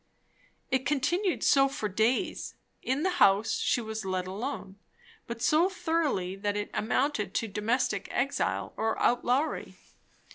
It continued so for days. In the house she was let alone, but so thoroughly that it amounted to domestic exile or outlawry.